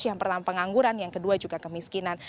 yang pertama pengangguran yang kedua juga kemiskinan